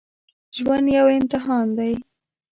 ژوند یو امتحان دی